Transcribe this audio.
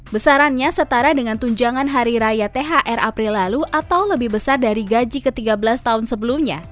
besarannya setara dengan tunjangan hari raya thr april lalu atau lebih besar dari gaji ke tiga belas tahun sebelumnya